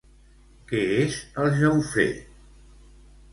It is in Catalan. Què és el Jaufré?